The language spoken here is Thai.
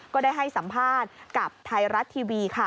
ก็ได้ให้สัมภาษณ์กับไทยรัฐทีวีค่ะ